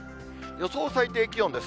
予想最低気温です。